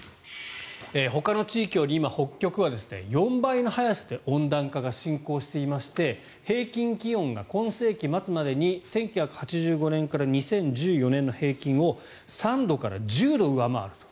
ほかの地域より今北極は４倍の速さで温暖化が進行していまして平均気温が今世紀末までに１９８５年から２０１４年の平均を３度から１０度上回ると。